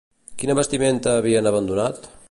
Quina vestimenta havien abandonat?